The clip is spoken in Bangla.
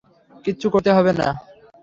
কিচ্ছু করতে হবে না।